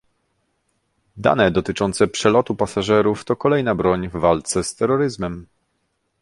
Dane dotyczące przelotu pasażerów to kolejna broń w walce z terroryzmem